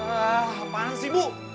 apaan sih ibu